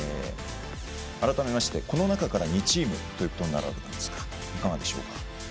改めまして、この中から２チームということになるわけですがいかがでしょうか。